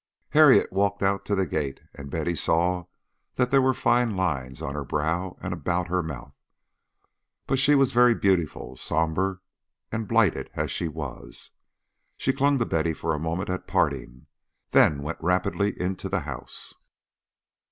Harriet walked out to the gate, and Betty saw that there were fine lines on her brow and about her mouth. But she was very beautiful, sombre and blighted as she was. She clung to Betty for a moment at parting, then went rapidly into the house.